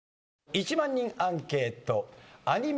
１万人アンケートアニメ